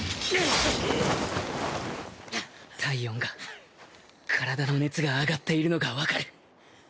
体温が体の熱が上がっているのが分かる